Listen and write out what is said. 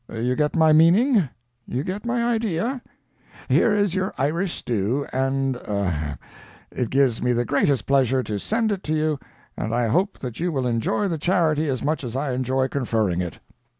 You get my meaning?—you get my idea? Here is your Irish stew, and—er—it gives me the greatest pleasure to send it to you, and I hope that you will enjoy the charity as much as I enjoy conferring it."